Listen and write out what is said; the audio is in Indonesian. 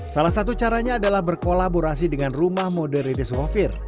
salah satu caranya adalah berkolaborasi dengan rumah mode rilis gofir